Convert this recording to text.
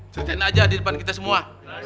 kerjain aja di depan kita semua